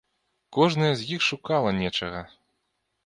Кожная з іх шукала нечага.